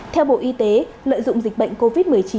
theo bộ y tế lợi dụng dịch bệnh covid một mươi chín